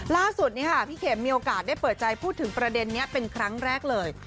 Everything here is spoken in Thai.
ล่าสุดพี่เข็มมีโอกาสได้เปิดใจพูดถึงประเด็นนี้เป็นครั้งแรกเลย